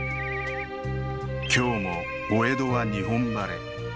今日もお江戸は日本晴れ。